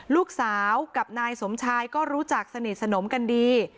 ลูกสาวกับนายสมชายก็รู้จักสนิทสนมกันดี